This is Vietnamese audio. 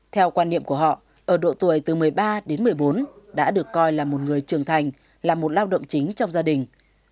theo quan niệm của họ ở độ tuổi từ một mươi ba đến một mươi bốn đã được coi là một người trưởng thành là một lao động chính trong gia đình